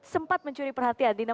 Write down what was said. sempat mencuri perhatian